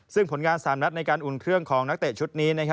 ซึ่งผลงาน๓นัดในการอุ่นเครื่องของนักเตะชุดนี้